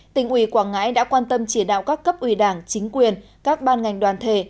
tỉnh ủy quảng ngãi đã quan tâm chỉ đạo các cấp ủy đảng chính quyền các ban ngành đoàn thể